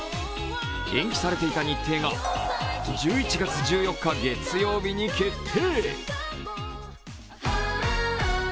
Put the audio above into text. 延期されていた日程が１１月１４日月曜日に決定。